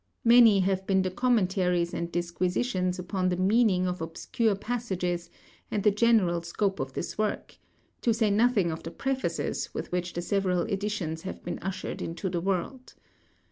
Many have been the commentaries and disquisitions upon the meaning of obscure passages and the general scope of this work; to say nothing of the prefaces with which the several editions have been ushered into the world.